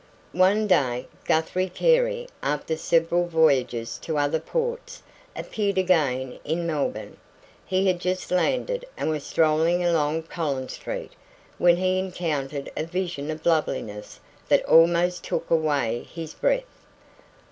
One day, Guthrie Carey, after several voyages to other ports, appeared again in Melbourne. He had just landed, and was strolling along Collins Street, when he encountered a vision of loveliness that almost took away his breath.